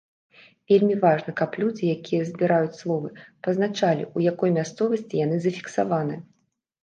Вельмі важна, каб людзі, якія збіраюць словы, пазначалі, у якой мясцовасці яны зафіксаваны.